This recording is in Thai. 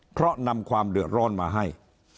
เพราะนำความเดือดร้อนมาให้